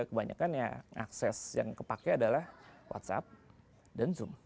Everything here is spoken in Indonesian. kebanyakan ya akses yang kepakai adalah whatsapp dan zoom